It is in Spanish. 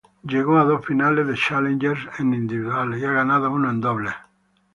Llegó a dos finales de "challengers" en individuales y ha ganado uno en dobles.